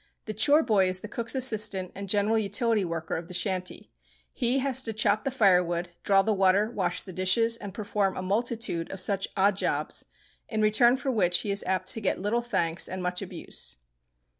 The chore boy is the cook's assistant and general utility worker of the shanty. He has to chop the firewood, draw the water, wash the dishes, and perform a multitude of such odd jobs, in return for which he is apt to get little thanks and much abuse.